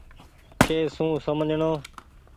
ڪي سون سمجهڻو۔